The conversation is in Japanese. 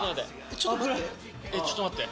ちょっと待って。